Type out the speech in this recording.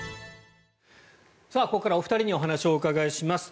ここからはお二人にお話をお伺いします。